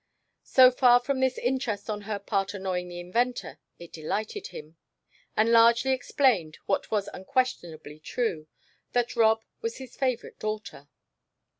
So far from this interest on her part annoying the inventor, it delighted him, and largely explained what was unquestionably true that Rob was his favorite daughter.